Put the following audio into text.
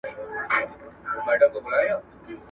«فلسفیان»، هنرمندان، ادیبان انځورگر